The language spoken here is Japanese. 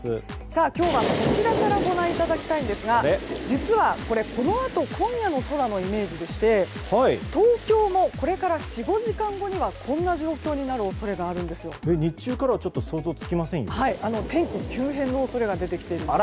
今日はこちらからご覧いただきたいんですが実はこれ、このあと今夜の空のイメージでして東京もこれから４５時間後にはこんな状況になる恐れがあるんです。